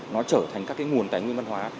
nó trở thành các cái nguồn tài nguyên văn hóa